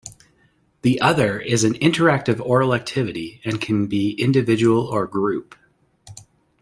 The other is an interactive oral activity and can be individual or group.